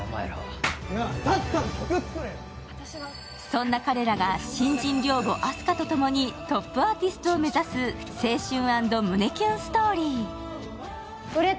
そんな彼らが新人寮母・あす花とともにトップアーティストを目指す、青春＆胸キュンストーリー。